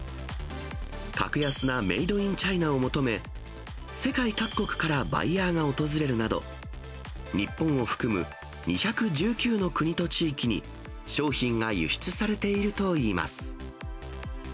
格安なメードインチャイナを求め、世界各国からバイヤーが訪れるなど、日本を含む２１９の国と地域に商品が輸出されているといいます。